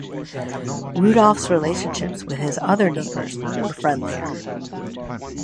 Rudolph's relationships with his other neighbours were friendlier.